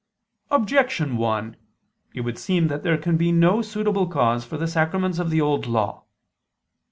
Objection 1: It would seem that there can be no suitable cause for the sacraments of the Old Law.